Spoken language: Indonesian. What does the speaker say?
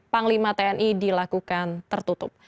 panglima tni dilakukan tertutup